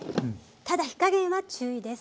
ただ火加減は注意です。